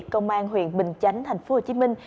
công an huyện bình chánh thành phố hồ chí minh